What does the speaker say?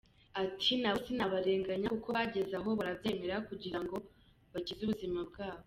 Ati “Na bo sinabarenganya kuko bageze aho barabyemera kugira ngo bakize ubuzima bwabo.”